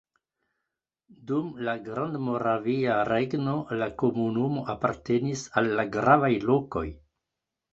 Dum la Grandmoravia Regno la komunumo apartenis al la gravaj lokoj.